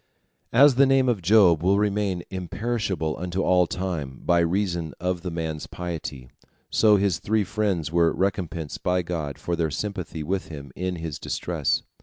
As the name of Job will remain imperishable unto all time, by reason of the man's piety, so his three friends were recompensed by God for their sympathy with him in his distress.